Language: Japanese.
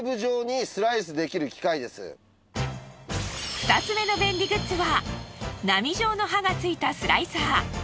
２つめの便利グッズは波状の刃がついたスライサー。